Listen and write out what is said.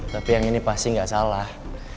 tapi yang ini pasti nggak salah